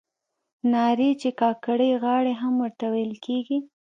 نارې چې کاکړۍ غاړې هم ورته ویل کیږي.